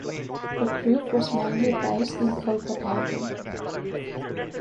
The group was mainly based in Copenhagen.